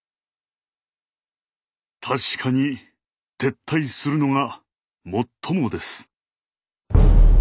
「確かに撤退するのがもっともです」。